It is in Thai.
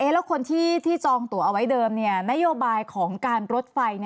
แล้วคนที่จองตัวเอาไว้เดิมนโยบายของการรถไฟ